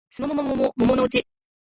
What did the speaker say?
すもももももものもものうち